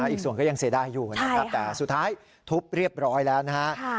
อีกส่วนก็ยังเสียดายอยู่นะครับแต่สุดท้ายทุบเรียบร้อยแล้วนะฮะ